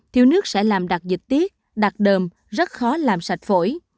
thiếu nước sẽ làm đạt dịch tiết đạt đờm rất khó làm sạch phổi